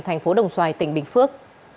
thành phố đồng xoài tỉnh bình phước